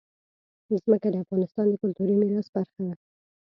ځمکه د افغانستان د کلتوري میراث برخه ده.